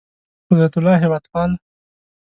قدرت الله هېوادپال